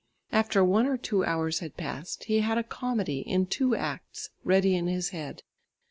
After one or two hours had passed, he had a comedy in two acts ready in his head.